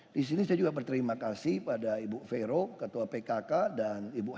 di sini saya juga berterima kasih pada ibu vero ketua pkk dan ibu ani